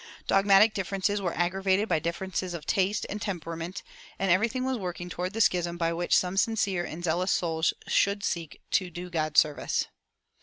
Dogmatic differences were aggravated by differences of taste and temperament, and everything was working toward the schism by which some sincere and zealous souls should seek to do God service.